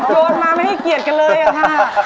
โยนมาไม่ให้เกียรติกันเลยอะค่ะ